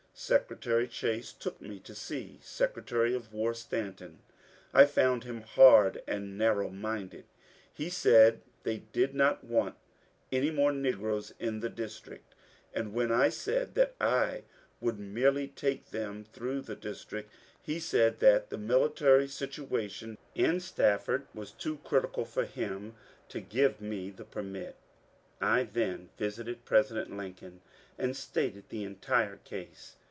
Secretary Chase took me to see Secretary of War Stanton. I found him hard and narrow minded. He said they did not want any more negroes in the District ; and when I said that I would merely take them through the District, he said that the military situation in Stafford was too critical for him to give me the permit. I then visited President Lincoln and stated the entire case.